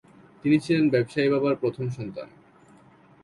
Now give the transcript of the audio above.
তিনি ছিলেন ব্যবসায়ী বাবার প্রথম সন্তান।